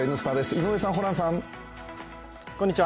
井上さん、ホランさん。